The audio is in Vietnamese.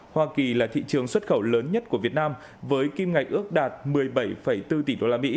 hoa kỳ là thị trường xuất khẩu lớn nhất của việt nam với kim ngạch ước đạt một mươi bảy bốn tỷ usd